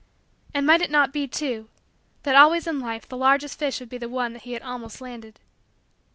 And might it not be, too, that always in life the largest fish would be the one that he had almost landed?